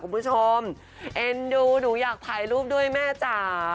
คุณผู้ชมเอ็นดูหนูอยากถ่ายรูปด้วยแม่จ้า